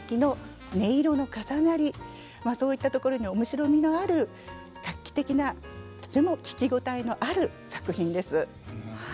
まあそういったところに面白みのある画期的なとても聴き応えのある作品です。